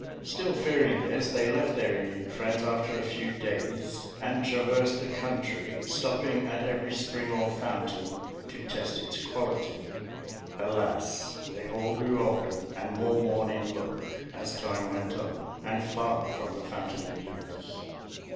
Still fearing this, they left their Indian friends after a few days and traversed the country, stopping at every spring or fountain to test its quality. Alas! they all grew older and more worn in look, as time went on, and farther from the Fountain of Youth.